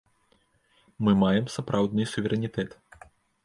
Мы маем сапраўдны суверэнітэт.